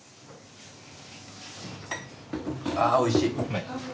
あおいしい！